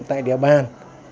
tại địa bàn